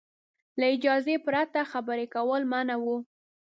له اجازې پرته خبرې کول منع وو.